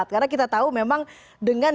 karena kita tahu memang dengan